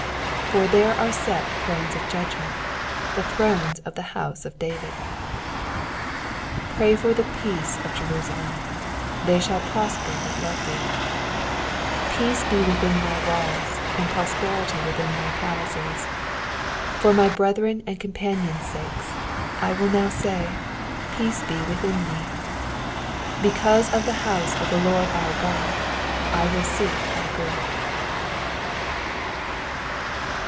5 For there are set thrones of judgment, the thrones of the house of David. 6 Pray for the peace of Jerusalem : they shall prosper that love thee. 7 Peace be within thy walls, and prosperity within thy palaces. 8 For my brethren and companions' sakes, I will now say, Peace ie within thee. 9 Because of the house of the Lord our God I will seek thy good.